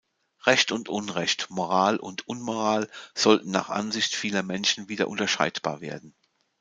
Recht und Unrecht, Moral und Unmoral sollten nach Ansicht vieler Menschen wieder unterscheidbar werden.